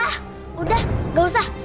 ah udah gak usah